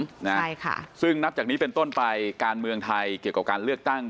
ใช่ค่ะซึ่งนับจากนี้เป็นต้นไปการเมืองไทยเกี่ยวกับการเลือกตั้ง